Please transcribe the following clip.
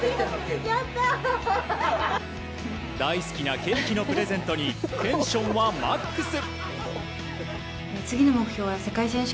大好きなケーキのプレゼントにテンションはマックス！